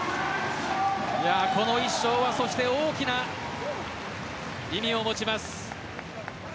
この１勝は大きな意味を持ちます。